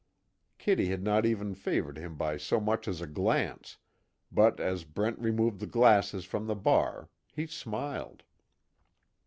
Kitty had not even favored him by so much as a glance, but as Brent removed the glasses from the bar, he smiled.